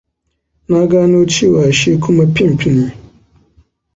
Na gano cewa shi kuma pimp ne.